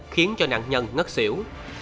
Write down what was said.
khiến cho nạn nhân ngất xỉu